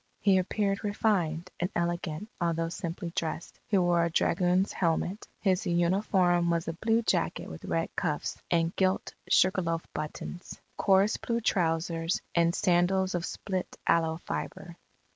He appeared refined and elegant although simply dressed. He wore a dragoon's helmet. His uniform was a blue jacket with red cuffs and gilt sugar loaf buttons; coarse blue trousers; and sandals of split aloe fibre.